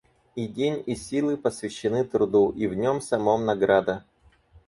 И день и силы посвящены труду, и в нем самом награда.